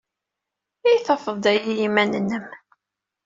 I tafeḍ-d aya i yiman-nnem?